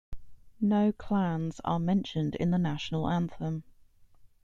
No clans are mentioned in the national anthem.